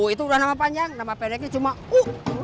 itu udah nama panjang nama pendeknya cuma u